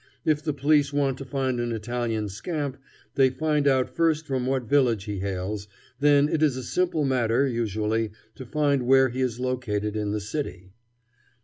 If the police want to find an Italian scamp, they find out first from what village he hails, then it is a simple matter, usually, to find where he is located in the city.